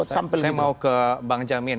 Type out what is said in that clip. saya mau ke bang jamin